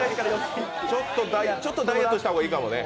ちょっとダイエットした方がいいかもね。